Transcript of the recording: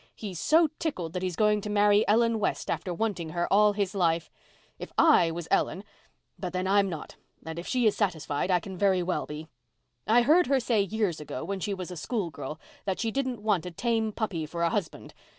He's so tickled that he's going to marry Ellen West after wanting her all his life. If I was Ellen—but then, I'm not, and if she is satisfied I can very well be. I heard her say years ago when she was a schoolgirl that she didn't want a tame puppy for a husband.